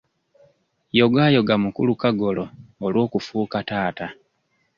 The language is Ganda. Yogaayoga mukulu Kagolo olw'okufuuka taata.